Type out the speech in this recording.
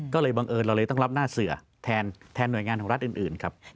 ก็เลยบังเอิญวันนี้เราก็ต้องรับหน้าเสือแทนหน่วยงานทางรัฐอื่น